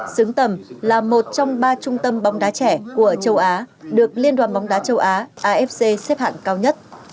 xứng tầm là một trong ba trung tâm bóng đá trẻ của châu á được liên đoàn bóng đá châu á afc xếp hạng cao nhất